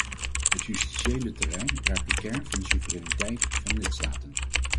Het justitiële terrein raakt de kern van de soevereiniteit van lidstaten.